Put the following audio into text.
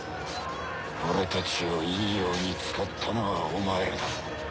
俺たちをいいように使ったのはお前らだ。